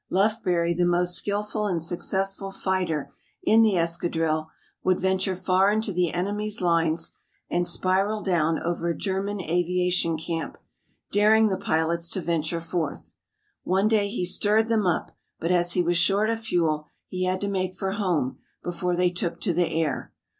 Lufbery, the most skillful and successful fighter in the escadrille, would venture far into the enemy's lines and spiral down over a German aviation camp, daring the pilots to venture forth. One day he stirred them up, but as he was short of fuel he had to make for home before they took to the air.